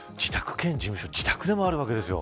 しかも自宅でもあるわけですよ。